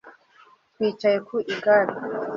twicaye ku igare